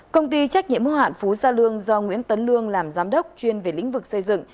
công ty trách nhiệm hữu hạn phú gia lương do nguyễn tấn lương làm giám đốc chuyên về lĩnh vực xây dựng